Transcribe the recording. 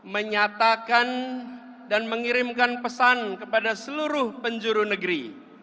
menyatakan dan mengirimkan pesan kepada seluruh penjuru negeri